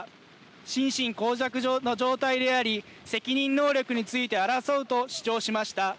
心神耗弱の状態であり責任能力について争うと主張しました。